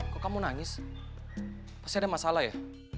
kok kamu nangis pasti ada masalah ya